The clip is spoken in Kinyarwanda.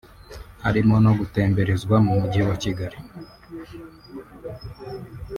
harimo no gutemberezwa mu mujyi wa Kigali